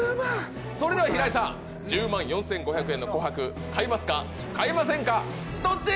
それでは平井さん、１０万４５００円の琥珀、買いますか、買いませんか、どっち？